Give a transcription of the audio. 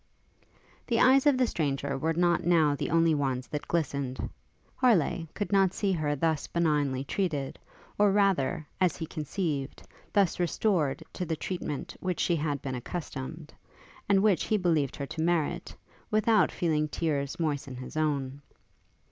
The eyes of the stranger were not now the only ones that glistened. Harleigh could not see her thus benignly treated, or rather, as he conceived, thus restored to the treatment to which she had been accustomed, and which he believed her to merit, without feeling tears moisten his own.